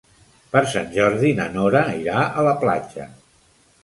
Per Sant Jordi na Nora irà a la platja.